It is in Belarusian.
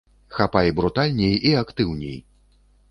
Хапай брутальней і актыўней!